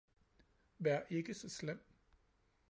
vær ikke så slem!